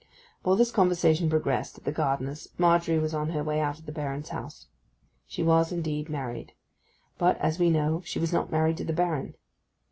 While this conversation progressed at the gardener's Margery was on her way out of the Baron's house. She was, indeed, married. But, as we know, she was not married to the Baron.